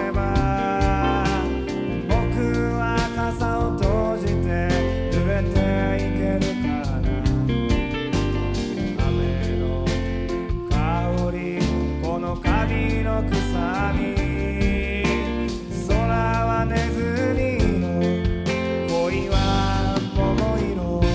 「僕は傘を閉じて濡れていけるかな」「雨の香りこの黴のくさみ」「空は鼠色恋は桃色」